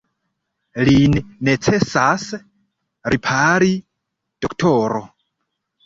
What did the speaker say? Lin necesas ripari, doktoro.